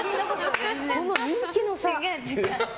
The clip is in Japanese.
この人気の差。